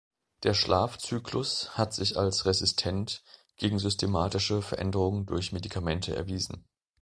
Der Schlafzyklus hat sich als resistent gegen systematische Veränderung durch Medikamente erwiesen.